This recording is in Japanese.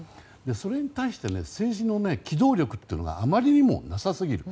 それに対して政治の機動力というのがあまりにもなさすぎる。